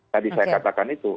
tadi saya katakan itu